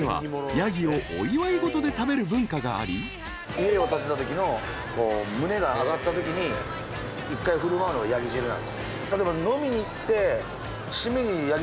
家を建てたときの棟があがったときに１回振る舞うのがヤギ汁なんす。